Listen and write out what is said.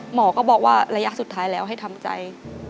หมอก็บอกว่าระยะสุดท้ายแล้วให้ทำใจ